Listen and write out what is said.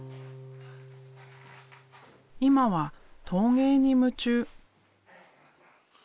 今は陶芸に夢中。